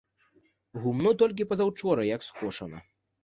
Гумно толькі пазаўчора як скошана.